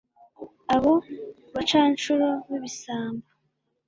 abo bacancuro b'ibisambo